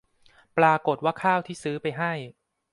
ปรากฏว่าข้าวที่ซื้อไปให้